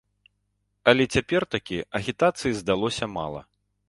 Але цяпер такі агітацыі здалося мала.